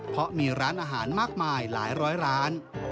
เพราะมีร้านอาหารมากมายหลายร้อยร้าน